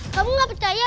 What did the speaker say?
kamu gak percaya